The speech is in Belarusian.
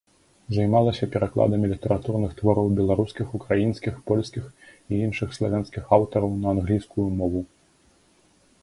Займалася перакладамі літаратурных твораў беларускіх, украінскіх, польскіх і іншых славянскіх аўтараў на англійскую мову.